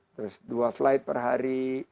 terus dua flight per hari